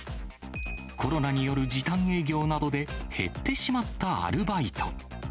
コロナによる時短営業などで減ってしまったアルバイト。